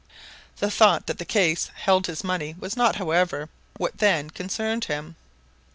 The thought that the case held his money was not however, what then concerned him.